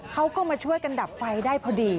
เขาก็มาช่วยกันดับไฟได้พอดี